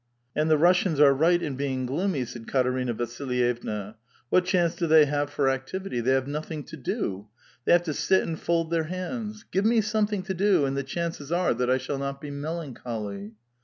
" And the Russians are right in being gloomy," said Kafc erina Vasilyevna ;'' what chance do they have for activity? They have nothing to do ! They have to sit and fold their hands. Give me something to do, and the chances are that I shall not be melancholv."